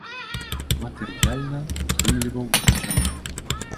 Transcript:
Матэрыяльна ўтрымліваў усю сям'ю.